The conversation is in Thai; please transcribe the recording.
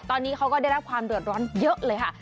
ตอนนี้เขาก็ได้รับความเดือดร้อนเยอะเลยค่ะ